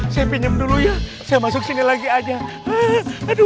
saya pinjam dulu ya saya masuk sini lagi aja aduh